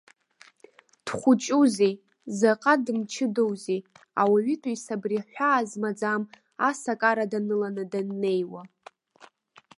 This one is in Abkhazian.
Дхәыҷузеи, заҟа дымчыдоузеи ауаҩытәыҩса абри ҳәаа змаӡам асакара даныланы даннеиуа!